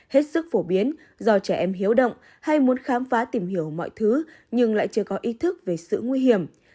hết sức phổ biến do trẻ em hiếu động hay muốn khám phá tìm hiểu mọi thứ nhưng lại chưa có ý thức về sự nguy hiểm